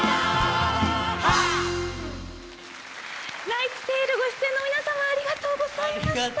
「ナイツ・テイル」ご出演の皆さまありがとうございました。